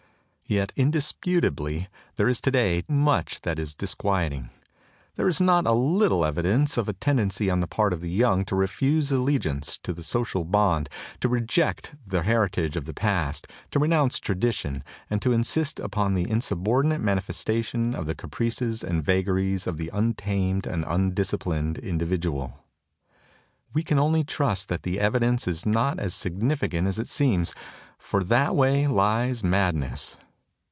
Yet indisputably there is today much that is disquieting. There is not a little evidence of a tendency on the part of the young to refuse allegiance to the social bond, to reject the heri 10 THE TOCSIN OF REVOLT tage of the past, to renounce tradition, and to insist upon the insubordinate manifestation of the caprices and vagaries of the untamed and undisciplined individual. We can only trust that the evidence is not as significant as it seems; for that way madness lies.